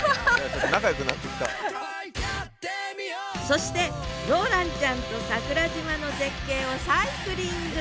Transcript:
そしてローランちゃんと桜島の絶景をサイクリング！